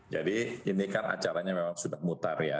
jadi ini kan acaranya memang sudah mutar ya